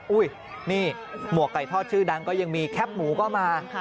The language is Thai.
อุ้ยนี่หมวกไก่ทอดชื่อดังก็ยังมีแคปหมูก็มา